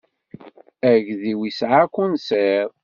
Agdi-iw isɛa akunsir.